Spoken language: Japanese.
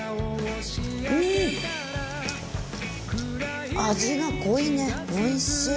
うん味が濃いねおいしい。